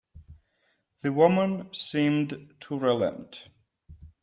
The woman seemed to relent.